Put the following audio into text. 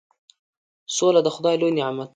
سوله د خدای لوی نعمت دی.